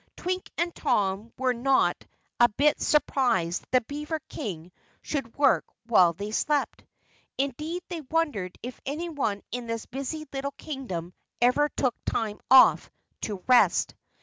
Twink and Tom were not a bit surprised that the beaver King should work while they slept. Indeed, they wondered if anyone in this busy little kingdom ever took time off to rest.